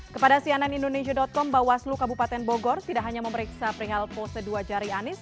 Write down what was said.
kepada cnn indonesia com bawaslu kabupaten bogor tidak hanya memeriksa perihal pose dua jari anies